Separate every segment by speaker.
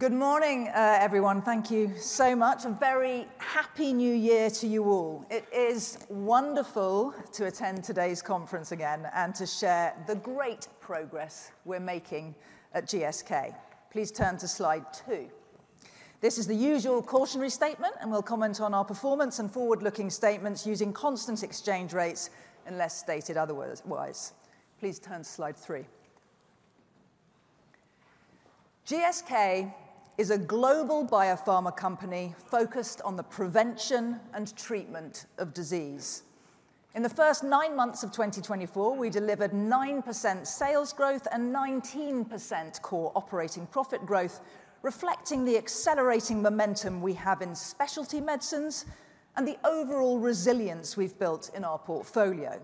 Speaker 1: Good morning, everyone. Thank you so much. A very happy new year to you all. It is wonderful to attend today's conference again and to share the great progress we're making at GSK. Please turn to slide two. This is the usual cautionary statement, and we'll comment on our performance and forward-looking statements using constant exchange rates unless stated otherwise. Please turn to slide three. GSK is a global biopharma company focused on the prevention and treatment of disease. In the first nine months of 2024, we delivered 9% sales growth and 19% core operating profit growth, reflecting the accelerating momentum we have in specialty medicines and the overall resilience we've built in our portfolio.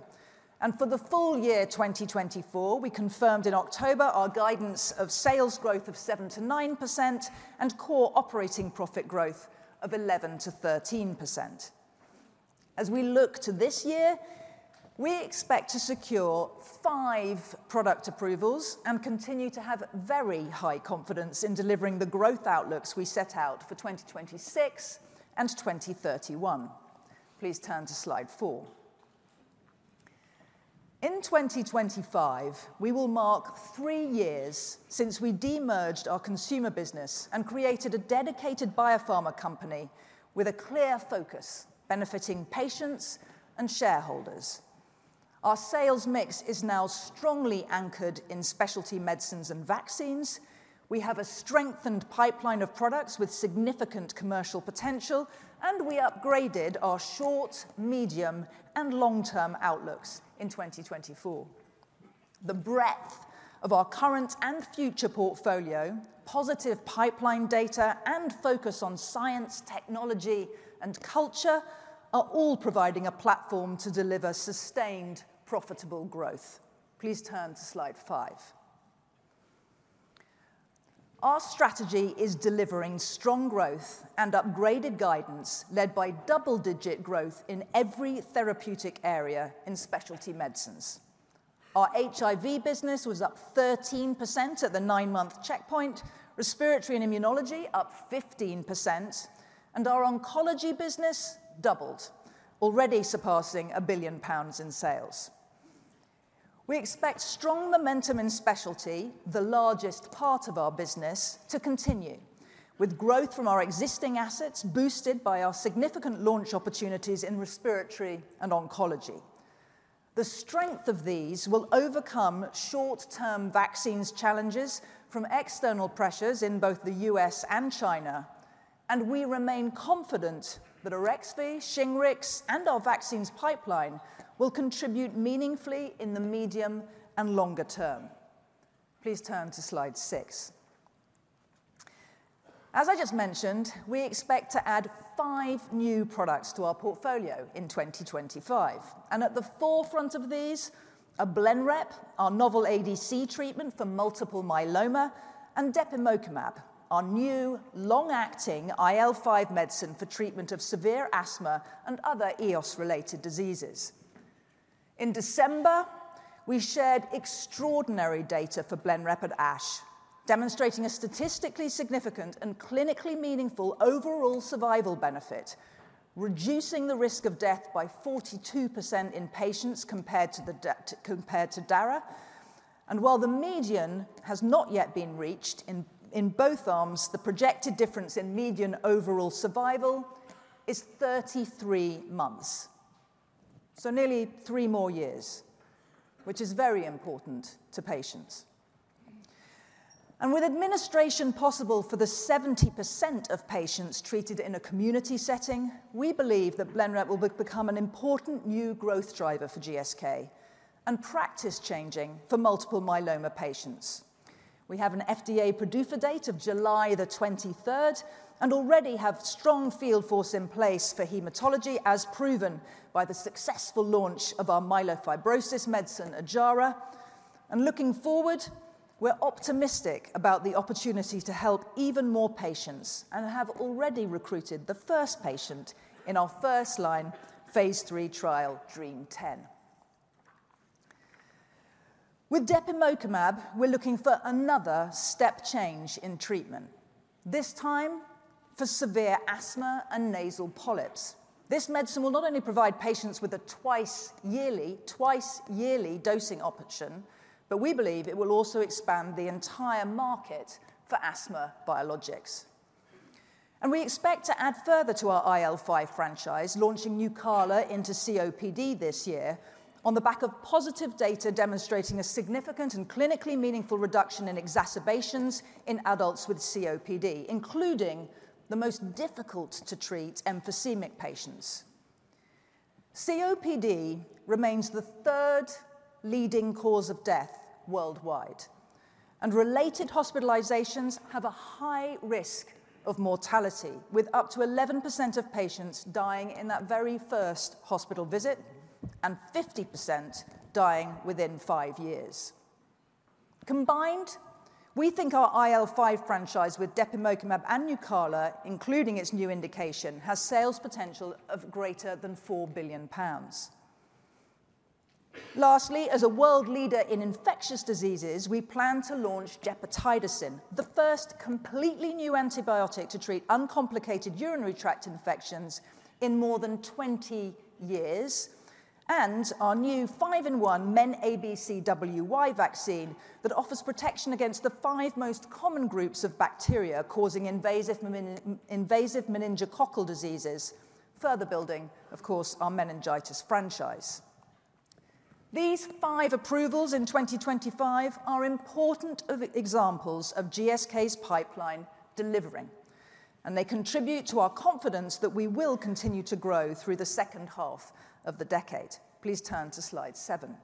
Speaker 1: And for the full year 2024, we confirmed in October our guidance of sales growth of 7%-9% and core operating profit growth of 11%-13%. As we look to this year, we expect to secure five product approvals and continue to have very high confidence in delivering the growth outlooks we set out for 2026 and 2031. Please turn to slide four. In 2025, we will mark three years since we de-merged our consumer business and created a dedicated biopharma company with a clear focus benefiting patients and shareholders. Our sales mix is now strongly anchored in specialty medicines and vaccines. We have a strengthened pipeline of products with significant commercial potential, and we upgraded our short, medium, and long-term outlooks in 2024. The breadth of our current and future portfolio, positive pipeline data, and focus on science, technology, and culture are all providing a platform to deliver sustained profitable growth. Please turn to slide five. Our strategy is delivering strong growth and upgraded guidance led by double-digit growth in every therapeutic area in specialty medicines. Our HIV business was up 13% at the nine-month checkpoint, respiratory and immunology up 15%, and our oncology business doubled, already surpassing 1 billion pounds in sales. We expect strong momentum in specialty, the largest part of our business, to continue with growth from our existing assets boosted by our significant launch opportunities in respiratory and oncology. The strength of these will overcome short-term vaccines challenges from external pressures in both the U.S. and China, and we remain confident that our Arexvy, Shingrix, and our vaccines pipeline will contribute meaningfully in the medium and longer term. Please turn to slide six. As I just mentioned, we expect to add five new products to our portfolio in 2025, and at the forefront of these, a Blenrep, our novel ADC treatment for multiple myeloma, and Depimocumab, our new long-acting IL-5 medicine for treatment of severe asthma and other EOS-related diseases. In December, we shared extraordinary data for Blenrep at ASH, demonstrating a statistically significant and clinically meaningful overall survival benefit, reducing the risk of death by 42% in patients compared to Dara. And while the median has not yet been reached in both arms, the projected difference in median overall survival is 33 months, so nearly three more years, which is very important to patients. And with administration possible for the 70% of patients treated in a community setting, we believe that Blenrep will become an important new growth driver for GSK and practice-changing for multiple myeloma patients. We have an FDA PDUFA date of July the 23rd and already have strong field force in place for hematology, as proven by the successful launch of our myelofibrosis medicine, Ojjaara. Looking forward, we're optimistic about the opportunity to help even more patients and have already recruited the first patient in our first line phase three trial, DREAMM-10. With Depimocumab, we're looking for another step change in treatment, this time for severe asthma and nasal polyps. This medicine will not only provide patients with a twice-yearly, twice-yearly dosing option, but we believe it will also expand the entire market for asthma biologics. We expect to add further to our IL-5 franchise, launching Nucala into COPD this year on the back of positive data demonstrating a significant and clinically meaningful reduction in exacerbations in adults with COPD, including the most difficult to treat emphysemic patients. COPD remains the third leading cause of death worldwide, and related hospitalizations have a high risk of mortality, with up to 11% of patients dying in that very first hospital visit and 50% dying within five years. Combined, we think our IL-5 franchise with Depimocumab and Nucala, including its new indication, has sales potential of greater than £4 billion. Lastly, as a world leader in infectious diseases, we plan to launch Gepotidacin, the first completely new antibiotic to treat uncomplicated urinary tract infections in more than 20 years, and our new five-in-one MenABCWY vaccine that offers protection against the five most common groups of bacteria causing invasive meningococcal diseases, further building, of course, our meningitis franchise. These five approvals in 2025 are important examples of GSK's pipeline delivering, and they contribute to our confidence that we will continue to grow through the second half of the decade. Please turn to slide seven.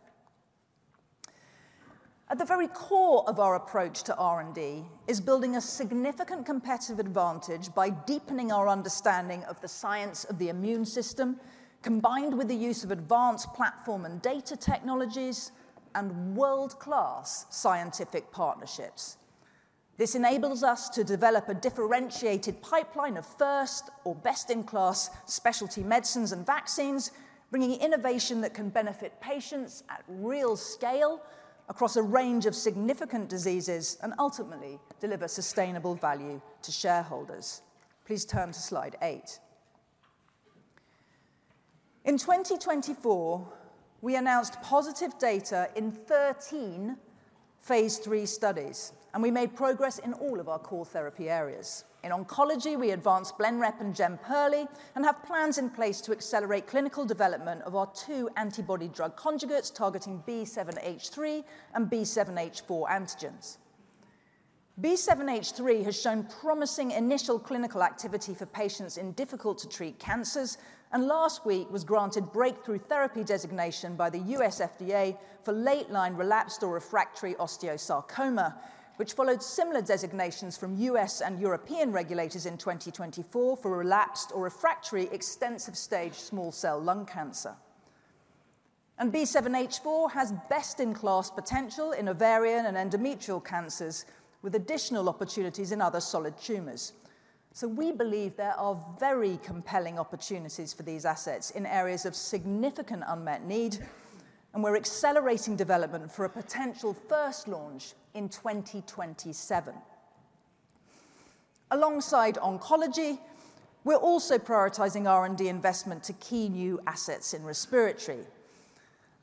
Speaker 1: At the very core of our approach to R&D is building a significant competitive advantage by deepening our understanding of the science of the immune system, combined with the use of advanced platform and data technologies and world-class scientific partnerships. This enables us to develop a differentiated pipeline of first or best-in-class specialty medicines and vaccines, bringing innovation that can benefit patients at real scale across a range of significant diseases and ultimately deliver sustainable value to shareholders. Please turn to slide eight. In 2024, we announced positive data in 13 phase three studies, and we made progress in all of our core therapy areas.In oncology, we advanced Blenrep and Jemperli and have plans in place to accelerate clinical development of our two antibody drug conjugates targeting B7-H3 and B7-H4 antigens. B7-H3 has shown promising initial clinical activity for patients in difficult-to-treat cancers, and last week was granted breakthrough therapy designation by the U.S. FDA for late-line relapsed or refractory osteosarcoma, which followed similar designations from U.S. and European regulators in 2024 for relapsed or refractory extensive-stage small cell lung cancer, and B7-H4 has best-in-class potential in ovarian and endometrial cancers, with additional opportunities in other solid tumors, so we believe there are very compelling opportunities for these assets in areas of significant unmet need, and we're accelerating development for a potential first launch in 2027. Alongside oncology, we're also prioritizing R&D investment to key new assets in respiratory.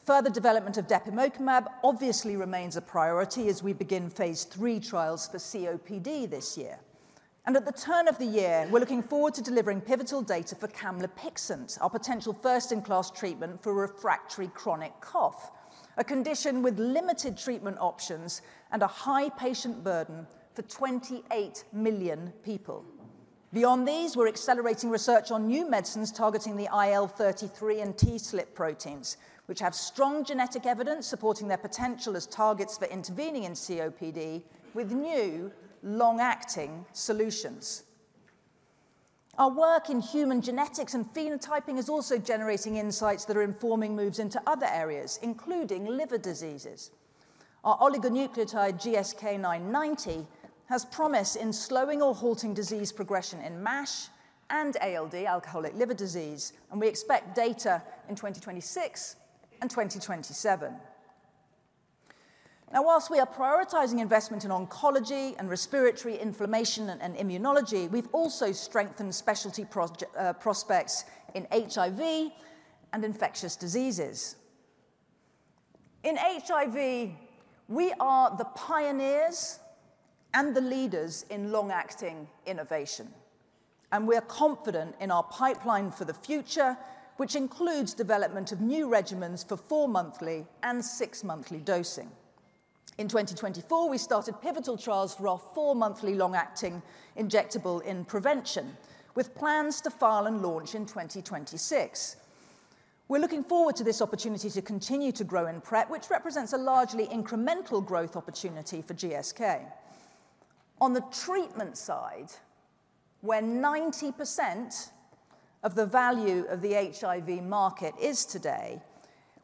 Speaker 1: Further development of Depimocumab obviously remains a priority as we begin phase three trials for COPD this year. At the turn of the year, we're looking forward to delivering pivotal data for Camlipixant, our potential first-in-class treatment for refractory chronic cough, a condition with limited treatment options and a high patient burden for 28 million people. Beyond these, we're accelerating research on new medicines targeting the IL-33 and TSLP proteins, which have strong genetic evidence supporting their potential as targets for intervening in COPD with new long-acting solutions. Our work in human genetics and phenotyping is also generating insights that are informing moves into other areas, including liver diseases. Our oligonucleotide GSK990 has promise in slowing or halting disease progression in MASH and ALD, alcoholic liver disease, and we expect data in 2026 and 2027. Now, while we are prioritizing investment in oncology and respiratory inflammation and immunology, we've also strengthened specialty prospects in HIV and infectious diseases. In HIV, we are the pioneers and the leaders in long-acting innovation, and we're confident in our pipeline for the future, which includes development of new regimens for four-monthly and six-monthly dosing. In 2024, we started pivotal trials for our four-monthly long-acting injectable in prevention, with plans to file and launch in 2026. We're looking forward to this opportunity to continue to grow in prep, which represents a largely incremental growth opportunity for GSK. On the treatment side, where 90% of the value of the HIV market is today,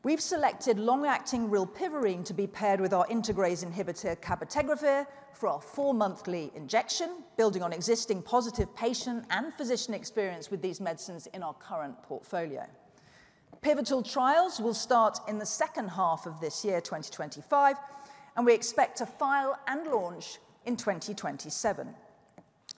Speaker 1: we've selected long-acting Rilpivirine to be paired with our integrase inhibitor Cabotegravir for our four-monthly injection, building on existing positive patient and physician experience with these medicines in our current portfolio. Pivotal trials will start in the second half of this year, 2025, and we expect to file and launch in 2027.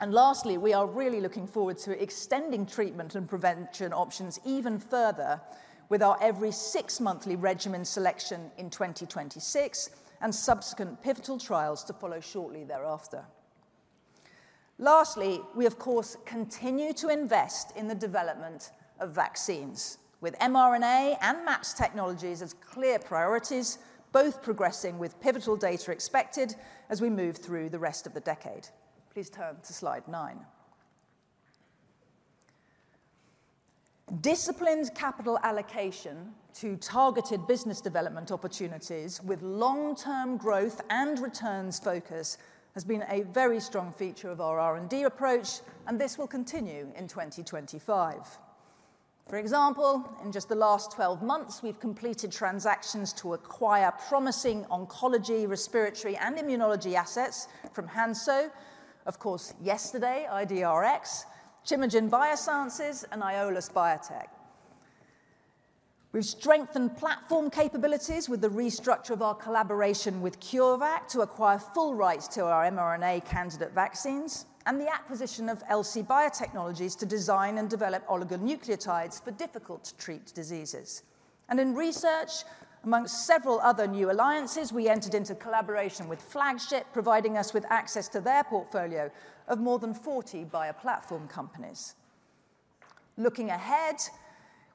Speaker 1: Lastly, we are really looking forward to extending treatment and prevention options even further with our every six-monthly regimen selection in 2026 and subsequent pivotal trials to follow shortly thereafter. Lastly, we, of course, continue to invest in the development of vaccines with mRNA and MAPS technologies as clear priorities, both progressing with pivotal data expected as we move through the rest of the decade. Please turn to slide nine. Disciplined capital allocation to targeted business development opportunities with long-term growth and returns focus has been a very strong feature of our R&D approach, and this will continue in 2025. For example, in just the last 12 months, we've completed transactions to acquire promising oncology, respiratory, and immunology assets from Hansoh, of course, yesterday, IDRx, Chimagen Biosciences, and Aiolos Bio. We've strengthened platform capabilities with the restructure of our collaboration with CureVac to acquire full rights to our mRNA candidate vaccines and the acquisition of Elsie Biotechnologies to design and develop oligonucleotides for difficult-to-treat diseases. And in research, among several other new alliances, we entered into collaboration with Flagship, providing us with access to their portfolio of more than 40 bio platform companies. Looking ahead,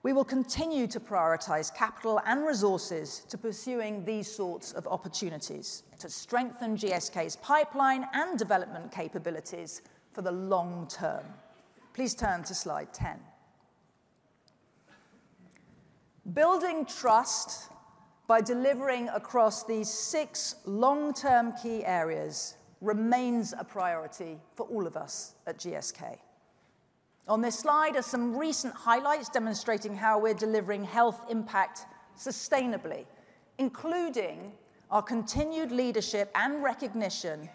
Speaker 1: we will continue to prioritize capital and resources to pursuing these sorts of opportunities to strengthen GSK's pipeline and development capabilities for the long term. Please turn to slide 10. Building trust by delivering across these six long-term key areas remains a priority for all of us at GSK. On this slide are some recent highlights demonstrating how we're delivering health impact sustainably, including our continued leadership and recognition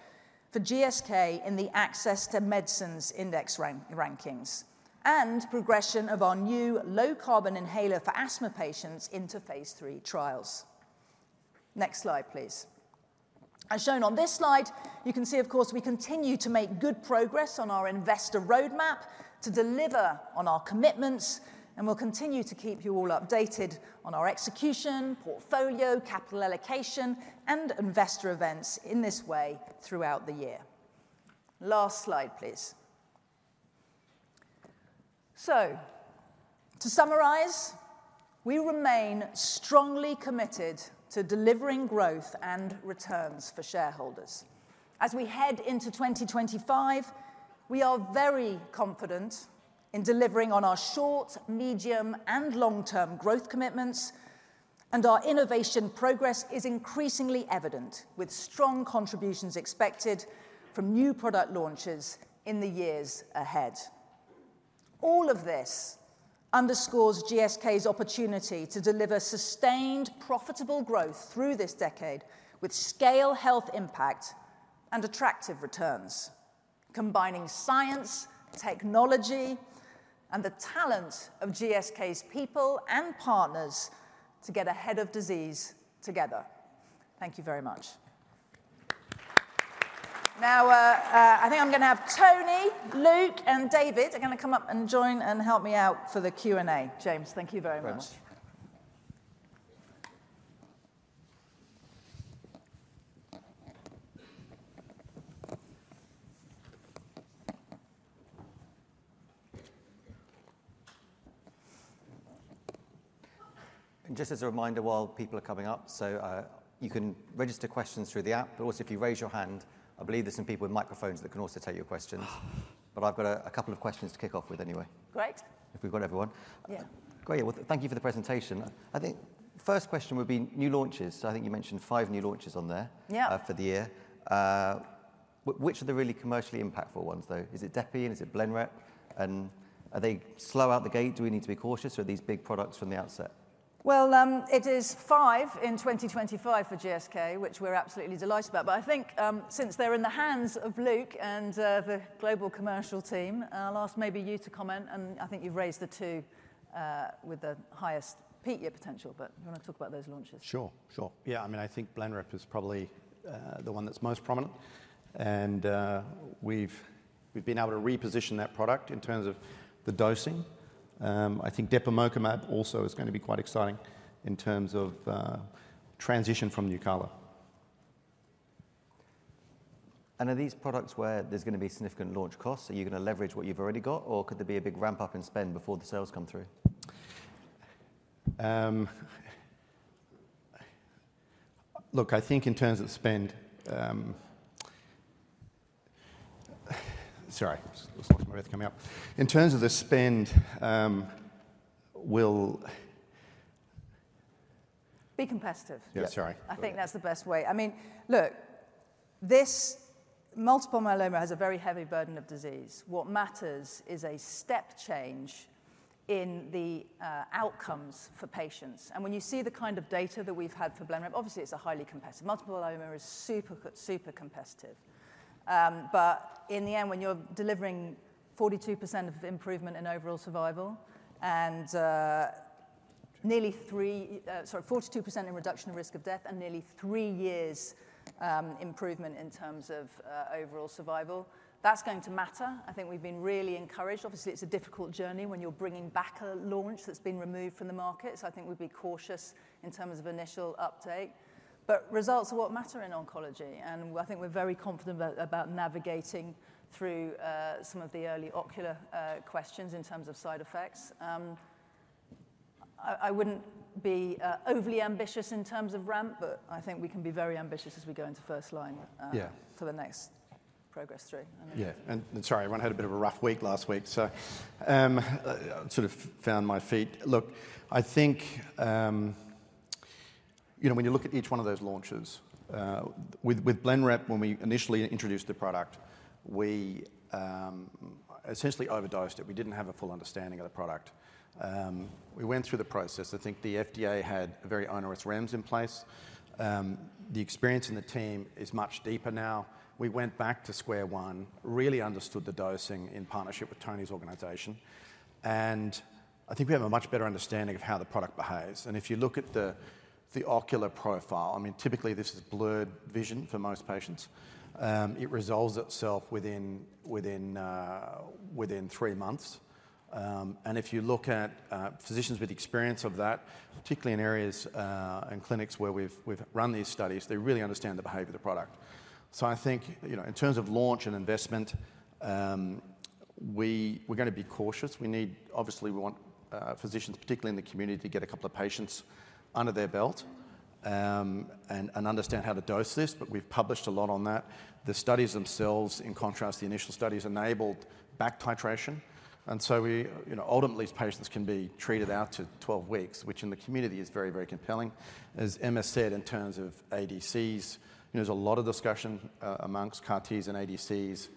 Speaker 1: for GSK in the Access to Medicines Index rankings and progression of our new low-carbon inhaler for asthma patients into phase three trials. Next slide, please. As shown on this slide, you can see, of course, we continue to make good progress on our investor roadmap to deliver on our commitments, and we'll continue to keep you all updated on our execution, portfolio, capital allocation, and investor events in this way throughout the year. Last slide, please. To summarize, we remain strongly committed to delivering growth and returns for shareholders. As we head into 2025, we are very confident in delivering on our short, medium, and long-term growth commitments, and our innovation progress is increasingly evident, with strong contributions expected from new product launches in the years ahead. All of this underscores GSK's opportunity to deliver sustained, profitable growth through this decade with scale health impact and attractive returns, combining science, technology, and the talent of GSK's people and partners to get ahead of disease together. Thank you very much. Now, I think I'm going to have Tony, Luke, and David are going to come up and join and help me out for the Q&A. James, thank you very much.
Speaker 2: And just as a reminder, while people are coming up, so you can register questions through the app, but also if you raise your hand, I believe there's some people with microphones that can also take your questions. But I've got a couple of questions to kick off with anyway. Great. If we've got everyone. Yeah. Great. Thank you for the presentation. I think first question would be new launches. So I think you mentioned five new launches on there for the year. Which are the really commercially impactful ones, though? Is it Depimocumab? Is it Blenrep? And are they slow out the gate? Do we need to be cautious? Or are these big products from the outset?
Speaker 1: Well, it is five in 2025 for GSK, which we're absolutely delighted about. But I think since they're in the hands of Luke and the global commercial team, I'll ask maybe you to comment, and I think you've raised the two with the highest peak year potential, but do you want to talk about those launches?
Speaker 2: Sure, sure. Yeah, I mean, I think Blenrep is probably the one that's most prominent, and we've been able to reposition that product in terms of the dosing. I think Depimocumab also is going to be quite exciting in terms of transition from Nucala. Are these products where there's going to be significant launch costs? Are you going to leverage what you've already got, or could there be a big ramp-up in spend before the sales come through? Look, I think in terms of spend, sorry, there's something about to come out. In terms of the spend, we'll be competitive. Yeah. Sorry.
Speaker 1: I think that's the best way. I mean, look, this multiple myeloma has a very heavy burden of disease. What matters is a step change in the outcomes for patients. When you see the kind of data that we've had for Blenrep, obviously it's a highly competitive multiple myeloma is super, super competitive. But in the end, when you're delivering 42% of improvement in overall survival and nearly three, sorry, 42% in reduction of risk of death and nearly three years' improvement in terms of overall survival, that's going to matter. I think we've been really encouraged. Obviously, it's a difficult journey when you're bringing back a launch that's been removed from the market. So I think we'd be cautious in terms of initial update. But results are what matter in oncology. And I think we're very confident about navigating through some of the early ocular questions in terms of side effects. I wouldn't be overly ambitious in terms of ramp, but I think we can be very ambitious as we go into first line for the next phase 3.
Speaker 2: Yeah, and sorry, everyone had a bit of a rough week last week, so I sort of found my feet. Look, I think when you look at each one of those launches, with Blenrep, when we initially introduced the product, we essentially overdosed it. We didn't have a full understanding of the product. We went through the process. I think the FDA had very onerous REMS in place. The experience in the team is much deeper now. We went back to square one, really understood the dosing in partnership with Tony's organization, and I think we have a much better understanding of how the product behaves, and if you look at the ocular profile, I mean, typically this is blurred vision for most patients. It resolves itself within three months, and if you look at physicians with experience of that, particularly in areas and clinics where we've run these studies, they really understand the behavior of the product, so I think in terms of launch and investment, we're going to be cautious. We need, obviously, we want physicians, particularly in the community, to get a couple of patients under their belt and understand how to dose this, but we've published a lot on that. The studies themselves, in contrast, the initial studies enabled back titration, and so ultimately, these patients can be treated out to 12 weeks, which in the community is very, very compelling. As Emma said, in terms of ADCs, there's a lot of discussion amongst CAR-Ts and ADCs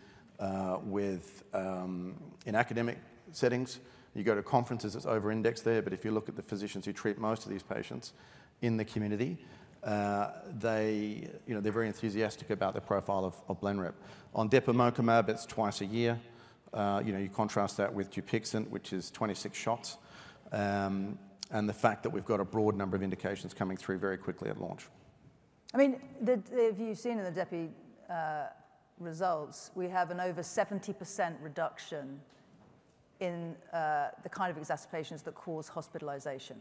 Speaker 2: in academic settings. You go to conferences, it's over-indexed there, but if you look at the physicians who treat most of these patients in the community, they're very enthusiastic about the profile of Blenrep. On Depimocumab, it's twice a year. You contrast that with Dupixent, which is 26 shots, and the fact that we've got a broad number of indications coming through very quickly at launch.
Speaker 1: I mean, if you've seen in the Depi results, we have an over 70% reduction in the kind of exacerbations that cause hospitalization.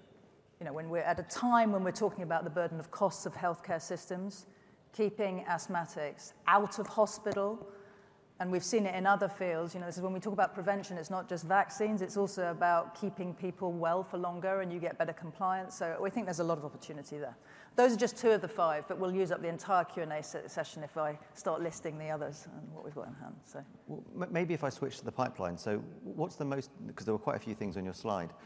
Speaker 1: At a time when we're talking about the burden of costs of healthcare systems, keeping asthmatics out of hospital, and we've seen it in other fields, this is when we talk about prevention. It's not just vaccines. It's also about keeping people well for longer and you get better compliance. So we think there's a lot of opportunity there. Those are just two of the five, but we'll use up the entire Q&A session if I start listing the others and what we've got in hand, so.
Speaker 2: Maybe if I switch to the pipeline. So what's the most, because there were quite a few things on your slide. What's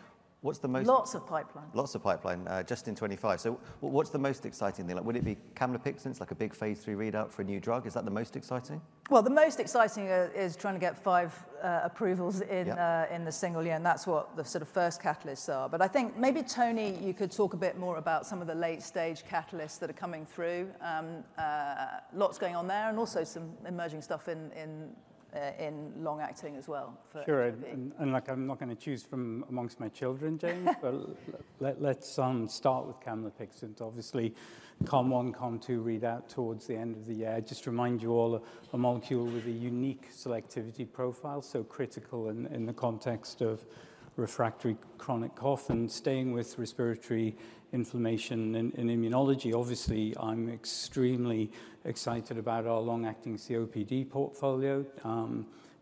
Speaker 2: the most? Lots of pipeline. Lots of pipeline just in 25. So what's the most exciting thing? Would it be Camlipixant, like a big phase three readout for a new drug? Is that the most exciting?
Speaker 1: The most exciting is trying to get five approvals in the single year. That's what the sort of first catalysts are. I think maybe, Tony, you could talk a bit more about some of the late-stage catalysts that are coming through. Lots going on there and also some emerging stuff in long-acting as well.
Speaker 2: Sure. I'm not going to choose from amongst my children, James, but let's start with Camlipixant. Obviously, CALM-1, CALM-2 readout towards the end of the year. Just to remind you all, a molecule with a unique selectivity profile, so critical in the context of refractory chronic cough and, staying with respiratory inflammation and immunology. Obviously, I'm extremely excited about our long-acting COPD portfolio.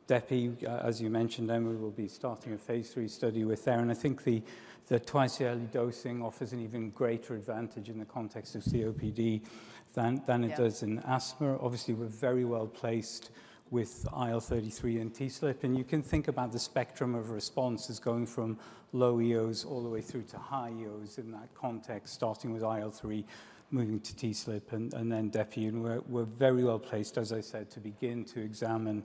Speaker 2: Depimocumab, as you mentioned, Emma will be starting a phase three study with there. I think the twice-yearly dosing offers an even greater advantage in the context of COPD than it does in asthma. Obviously, we're very well placed with IL-33 and TSLP. And you can think about the spectrum of responses going from low EOs all the way through to high EOs in that context, starting with IL-5, moving to TSLP, and then Depi. And we're very well placed, as I said, to begin to examine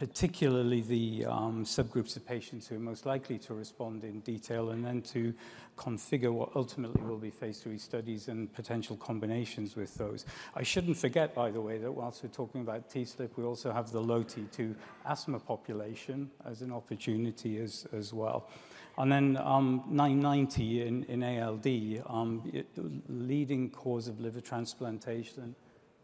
Speaker 2: particularly the subgroups of patients who are most likely to respond in detail and then to configure what ultimately will be phase three studies and potential combinations with those. I shouldn't forget, by the way, that whilst we're talking about TSLP, we also have the low T2 asthma population as an opportunity as well. And then GSK990 in ALD, leading cause of liver transplantation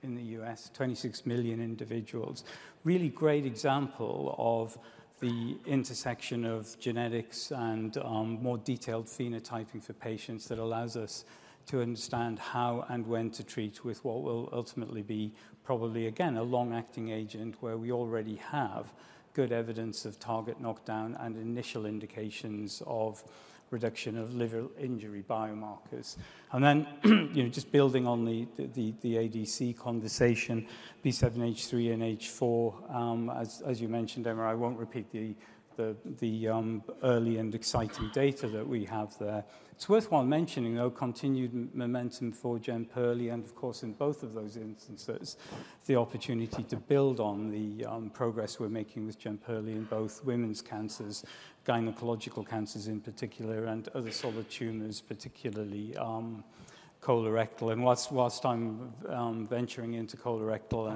Speaker 2: in the U.S., 26 million individuals. Really great example of the intersection of genetics and more detailed phenotyping for patients that allows us to understand how and when to treat with what will ultimately be probably, again, a long-acting agent where we already have good evidence of target knockdown and initial indications of reduction of liver injury biomarkers. And then just building on the ADC conversation, B7-H3 and B7-H4, as you mentioned, Emma, I won't repeat the early and exciting data that we have there. It's worthwhile mentioning, though, continued momentum for Jemperli and, of course, in both of those instances, the opportunity to build on the progress we're making with Jemperli in both women's cancers, gynecological cancers in particular, and other solid tumors, particularly colorectal. And while I'm venturing into colorectal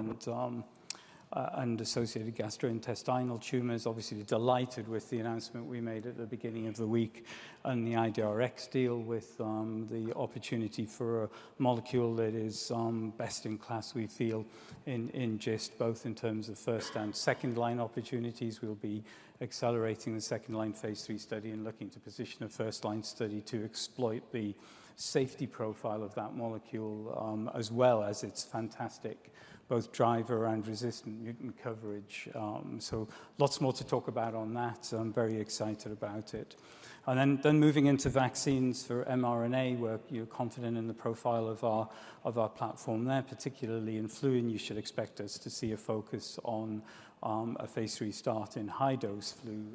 Speaker 2: and associated gastrointestinal tumors, obviously, we're delighted with the announcement we made at the beginning of the week and the IDRX deal with the opportunity for a molecule that is best in class, we feel, in GIST, both in terms of first and second line opportunities. We'll be accelerating the second line phase 3 study and looking to position a first line study to exploit the safety profile of that molecule as well as its fantastic both driver and resistant mutant coverage. So lots more to talk about on that. I'm very excited about it. And then moving into vaccines for mRNA, we're confident in the profile of our platform there, particularly in flu. And you should expect us to see a focus on a phase three start in high-dose flu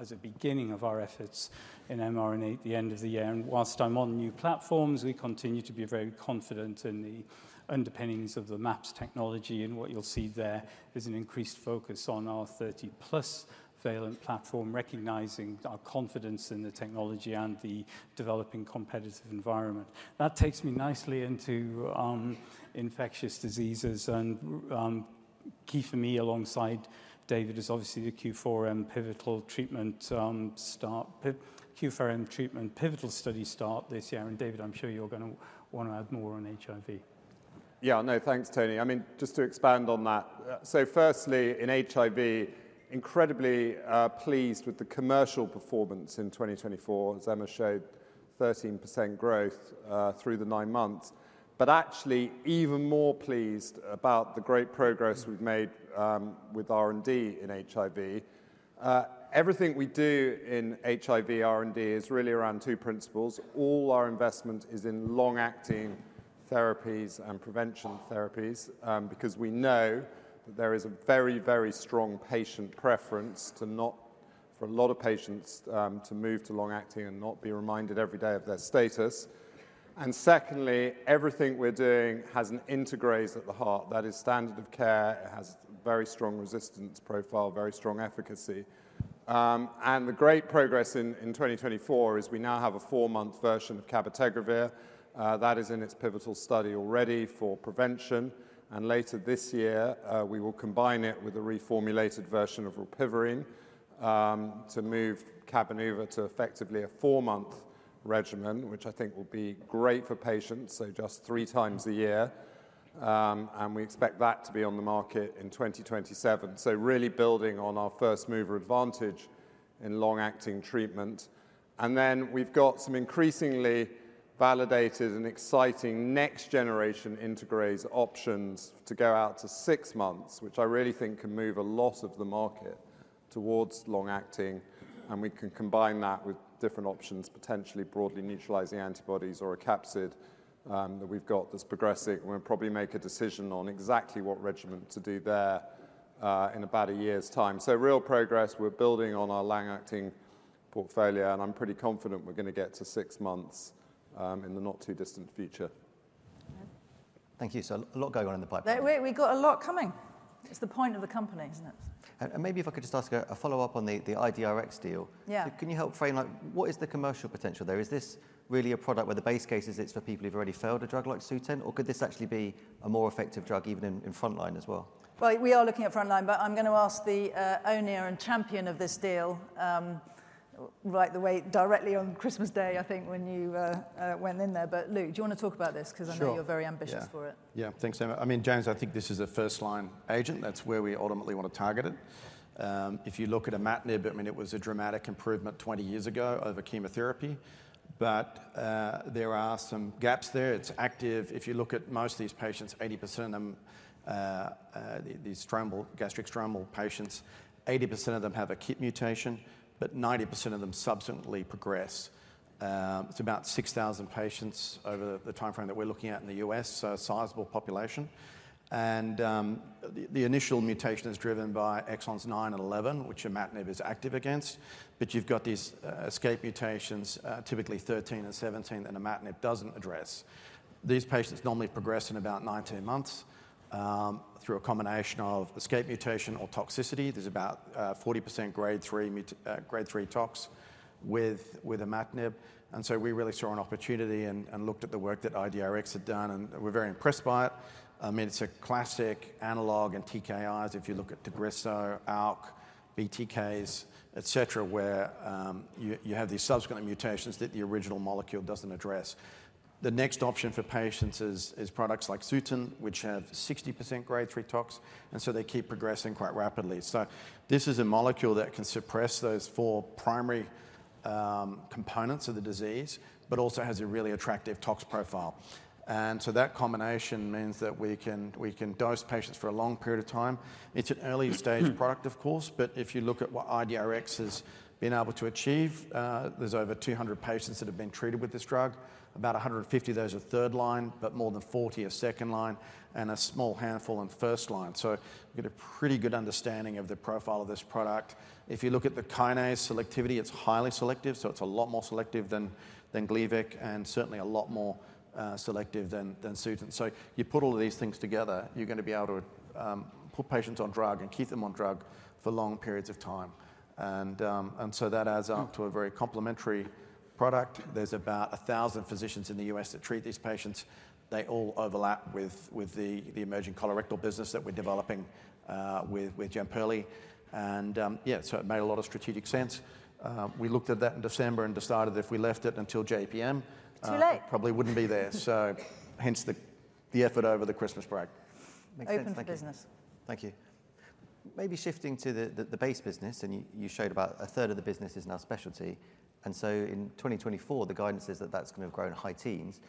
Speaker 2: as a beginning of our efforts in mRNA at the end of the year. And whilst I'm on new platforms, we continue to be very confident in the underpinnings of the MAPS technology. And what you'll see there is an increased focus on our 30-plus valent platform, recognizing our confidence in the technology and the developing competitive environment. That takes me nicely into infectious diseases. And key for me alongside David is obviously the Q4M pivotal treatment start, Q4M treatment pivotal study start this year. And David, I'm sure you're going to want to add more on HIV. Yeah. No, thanks, Tony. I mean, just to expand on that. So firstly, in HIV, incredibly pleased with the commercial performance in 2024, as Emma showed, 13% growth through the nine months. But actually, even more pleased about the great progress we've made with R&D in HIV. Everything we do in HIV R&D is really around two principles. All our investment is in long-acting therapies and prevention therapies because we know that there is a very, very strong patient preference for a lot of patients to move to long-acting and not be reminded every day of their status. And secondly, everything we're doing has an integrase at the heart. That is standard of care. It has a very strong resistance profile, very strong efficacy. And the great progress in 2024 is we now have a four-month version of Cabotegravir. That is in its pivotal study already for prevention. And later this year, we will combine it with a reformulated version of rilpivirine to move cabotegravir to effectively a four-month regimen, which I think will be great for patients, so just three times a year. And we expect that to be on the market in 2027. So really building on our first mover advantage in long-acting treatment. And then we've got some increasingly validated and exciting next-generation integrase options to go out to six months, which I really think can move a lot of the market towards long-acting. And we can combine that with different options, potentially broadly neutralizing antibodies or a capsid that we've got that's progressing. And we'll probably make a decision on exactly what regimen to do there in about a year's time. So real progress. We're building on our long-acting portfolio. I'm pretty confident we're going to get to six months in the not too distant future.
Speaker 1: Thank you. So a lot going on in the pipeline. We've got a lot coming. It's the point of the company, isn't it?
Speaker 2: And maybe if I could just ask a follow-up on the IDRx deal. Can you help frame what is the commercial potential there? Is this really a product where the base case is it's for people who've already failed a drug like Sutent? Or could this actually be a more effective drug even in frontline as well?
Speaker 1: Well, we are looking at frontline, but I'm going to ask the owner and champion of this deal right away, directly on Christmas Day, I think, when you went in there. But Luke, do you want to talk about this? Because I know you're very ambitious for it.
Speaker 2: Yeah. Thanks, Emma. I mean, James, I think this is a first-line agent. That's where we ultimately want to target it. If you look at imatinib, I mean, it was a dramatic improvement 20 years ago over chemotherapy. But there are some gaps there. It's active. If you look at most of these patients, 80% of them, these gastrointestinal stromal patients, 80% of them have a KIT mutation, but 90% of them subsequently progress. It's about 6,000 patients over the timeframe that we're looking at in the U.S., so a sizable population. And the initial mutation is driven by exons 9 and 11, which imatinib is active against. But you've got these escape mutations, typically 13 and 17, that imatinib doesn't address. These patients normally progress in about 19 months through a combination of escape mutation or toxicity. There's about 40% grade 3 tox with imatinib. And so we really saw an opportunity and looked at the work that IDRX had done, and we're very impressed by it. I mean, it's a classic analogue in TKIs, if you look at Tagrisso, ALK, BTKs, etc., where you have these subsequent mutations that the original molecule doesn't address. The next option for patients is products like Sutent, which have 60% grade 3 tox. And so they keep progressing quite rapidly. So this is a molecule that can suppress those four primary components of the disease, but also has a really attractive tox profile. And so that combination means that we can dose patients for a long period of time. It's an early-stage product, of course. But if you look at what IDRx has been able to achieve, there's over 200 patients that have been treated with this drug, about 150 of those are third line, but more than 40 are second line, and a small handful on first line. So we get a pretty good understanding of the profile of this product. If you look at the kinase selectivity, it's highly selective. So it's a lot more selective than Gleevec and certainly a lot more selective than Sutent. So you put all of these things together, you're going to be able to put patients on drug and keep them on drug for long periods of time. And so that adds up to a very complementary product. There's about 1,000 physicians in the U.S. that treat these patients. They all overlap with the emerging colorectal business that we're developing with Jemperli. Yeah, so it made a lot of strategic sense. We looked at that in December and decided if we left it until JPM, probably wouldn't be there. So hence the effort over the Christmas break. Open for business. Thank you. Maybe shifting to the base business, and you showed about a third of the business is now specialty. And so in 2024, the guidance is that that's going to grow in high teens.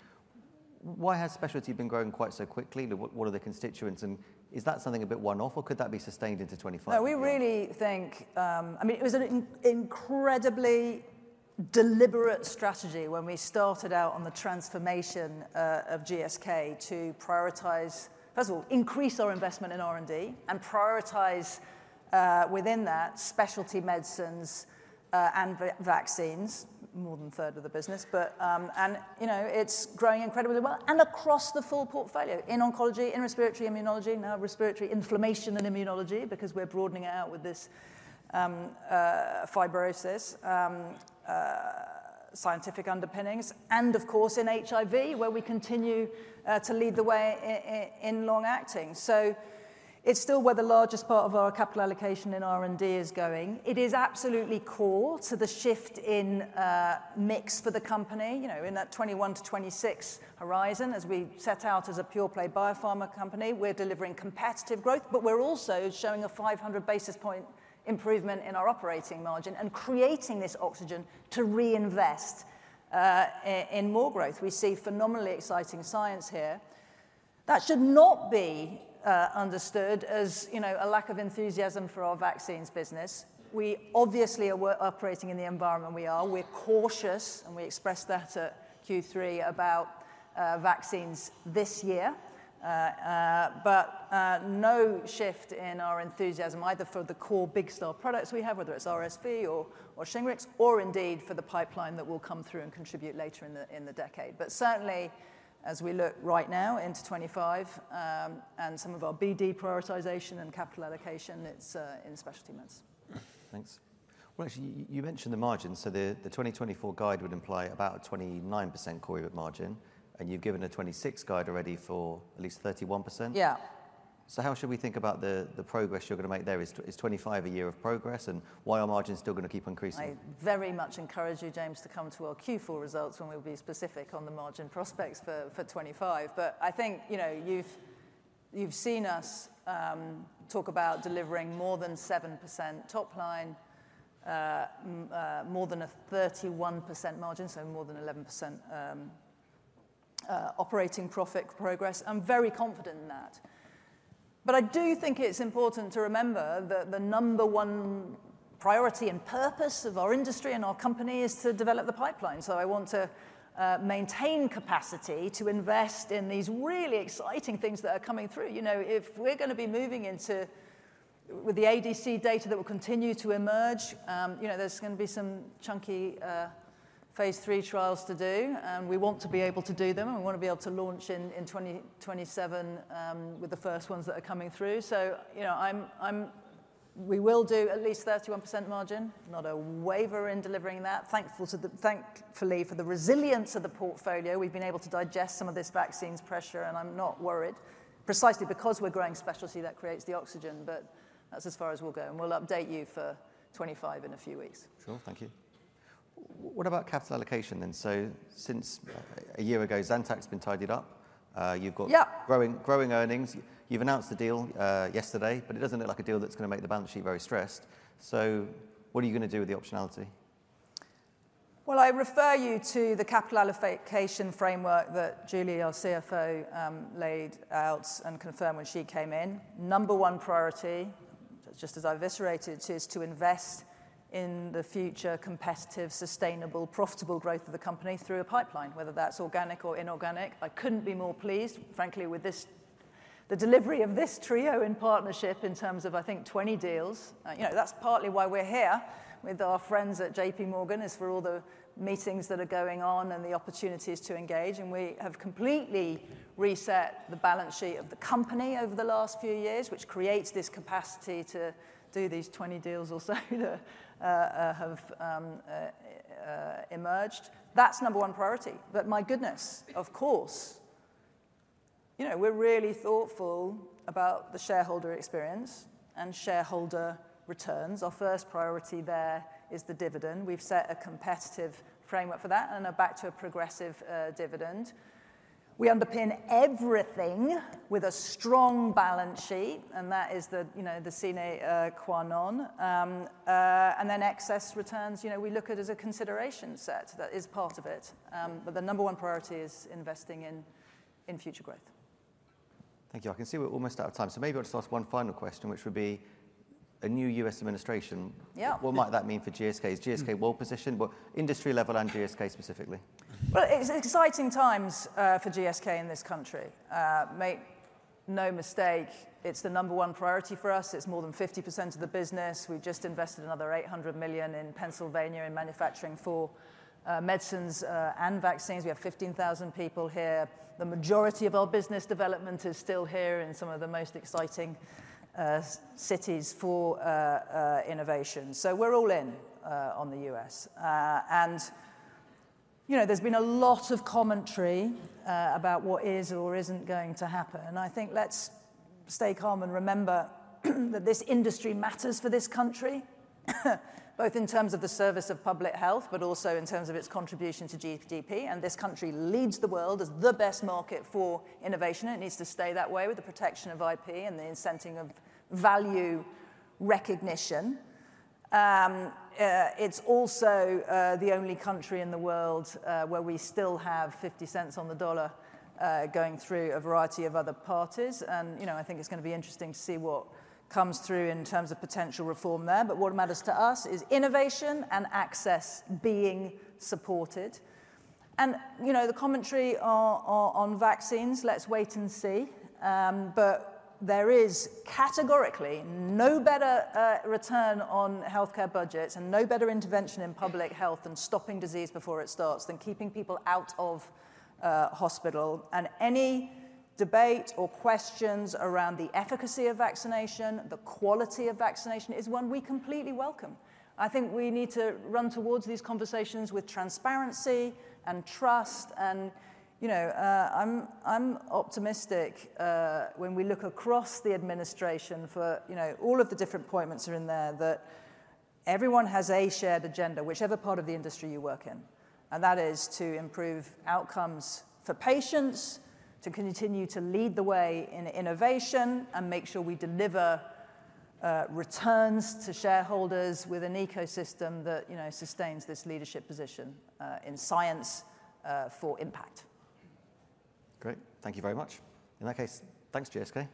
Speaker 2: Why has specialty been growing quite so quickly? What are the constituents? And is that something a bit one-off, or could that be sustained into 2025?
Speaker 1: No, we really think, I mean, it was an incredibly deliberate strategy when we started out on the transformation of GSK to prioritize, first of all, increase our investment in R&D and prioritize within that specialty medicines and vaccines, more than a third of the business. And it's growing incredibly well and across the full portfolio in oncology, in respiratory immunology, now respiratory inflammation and immunology because we're broadening out with this fibrosis scientific underpinnings. And of course, in HIV, where we continue to lead the way in long-acting. So it's still where the largest part of our capital allocation in R&D is going. It is absolutely core to the shift in mix for the company in that 2021 to 2026 horizon. As we set out as a pure-play biopharma company, we're delivering competitive growth, but we're also showing a 500 basis point improvement in our operating margin and creating this oxygen to reinvest in more growth. We see phenomenally exciting science here. That should not be understood as a lack of enthusiasm for our vaccines business. We obviously are operating in the environment we are. We're cautious, and we expressed that at Q3 about vaccines this year. But no shift in our enthusiasm either for the core big-seller products we have, whether it's RSV or Shingrix, or indeed for the pipeline that will come through and contribute later in the decade. But certainly, as we look right now into 25 and some of our BD prioritization and capital allocation, it's in specialty meds.
Speaker 2: Thanks. Well, actually, you mentioned the margin. So the 2024 guide would imply about a 29% core margin. And you've given a 2026 guide already for at least 31%. Yeah. So how should we think about the progress you're going to make there? Is 25 a year of progress? And why are margins still going to keep increasing?
Speaker 1: I very much encourage you, James, to come to our Q4 results when we'll be specific on the margin prospects for 25. But I think you've seen us talk about delivering more than 7% top line, more than a 31% margin, so more than 11% operating profit progress. I'm very confident in that. But I do think it's important to remember that the number one priority and purpose of our industry and our company is to develop the pipeline. So I want to maintain capacity to invest in these really exciting things that are coming through. If we're going to be moving into with the ADC data that will continue to emerge, there's going to be some chunky phase three trials to do. And we want to be able to do them. And we want to be able to launch in 2027 with the first ones that are coming through. So we will do at least 31% margin, not waver in delivering that. Thankfully for the resilience of the portfolio, we've been able to digest some of this vaccines pressure, and I'm not worried, precisely because we're growing specialty that creates the oxygen, but that's as far as we'll go, and we'll update you for 2025 in a few weeks.
Speaker 2: Sure. Thank you. What about capital allocation then? So since a year ago, Zantac has been tidied up. You've got growing earnings. You've announced the deal yesterday, but it doesn't look like a deal that's going to make the balance sheet very stressed. So what are you going to do with the optionality?
Speaker 1: Well, I refer you to the capital allocation framework that Julie, our CFO, laid out and confirmed when she came in. Number one priority, just as I've iterated, is to invest in the future competitive, sustainable, profitable growth of the company through a pipeline, whether that's organic or inorganic. I couldn't be more pleased, frankly, with the delivery of this trio in partnership in terms of, I think, 20 deals. That's partly why we're here with our friends at J.P. Morgan, is for all the meetings that are going on and the opportunities to engage. And we have completely reset the balance sheet of the company over the last few years, which creates this capacity to do these 20 deals or so that have emerged. That's number one priority. But my goodness, of course, we're really thoughtful about the shareholder experience and shareholder returns. Our first priority there is the dividend. We've set a competitive framework for that and are back to a progressive dividend. We underpin everything with a strong balance sheet, and that is the sine qua non. And then excess returns, we look at it as a consideration set that is part of it. But the number one priority is investing in future growth.
Speaker 2: Thank you. I can see we're almost out of time. So maybe I'll just ask one final question, which would be a new U.S. administration. What might that mean for GSK? Is GSK well positioned? Industry level and GSK specifically?
Speaker 1: Well, it's exciting times for GSK in this country. Make no mistake, it's the number one priority for us. It's more than 50% of the business. We've just invested another $800 million in Pennsylvania in manufacturing for medicines and vaccines. We have 15,000 people here. The majority of our business development is still here in some of the most exciting cities for innovation. So we're all in on the U.S. And there's been a lot of commentary about what is or isn't going to happen. I think let's stay calm and remember that this industry matters for this country, both in terms of the service of public health, but also in terms of its contribution to GDP. This country leads the world as the best market for innovation. It needs to stay that way with the protection of IP and the incenting of value recognition. It's also the only country in the world where we still have 50 cents on the dollar going through a variety of other parties. I think it's going to be interesting to see what comes through in terms of potential reform there. What matters to us is innovation and access being supported. The commentary on vaccines, let's wait and see. But there is categorically no better return on healthcare budgets and no better intervention in public health than stopping disease before it starts, than keeping people out of hospital. And any debate or questions around the efficacy of vaccination, the quality of vaccination is one we completely welcome. I think we need to run towards these conversations with transparency and trust. And I'm optimistic when we look across the administration for all of the different appointments that are in there, that everyone has a shared agenda, whichever part of the industry you work in. And that is to improve outcomes for patients, to continue to lead the way in innovation, and make sure we deliver returns to shareholders with an ecosystem that sustains this leadership position in science for impact.
Speaker 2: Great. Thank you very much. In that case, thanks, GSK.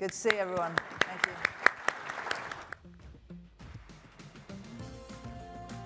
Speaker 2: Good to see everyone. Thank you.